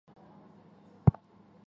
奥克弗尔当。